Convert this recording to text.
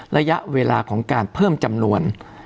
ระยะเวลาของการเพิ่มจำนวน